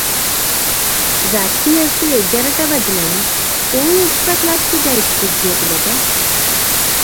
ରାତି ଆସି ଏଗାରଟା ବାଜିଲାଣି କୋଉ ଏକ୍ସଟ୍ରା କ୍ଲାସକୁ ଯାଇଛିଯେ ଝିଅ ପିଲାଟା?